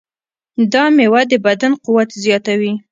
دا مېوه د بدن قوت زیاتوي.